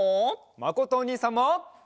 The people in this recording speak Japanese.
まことおにいさんも！